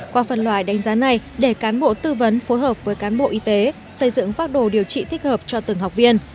qua phần loại đánh giá này để cán bộ tư vấn phối hợp với cán bộ y tế xây dựng pháp đồ điều trị thích hợp cho từng học viên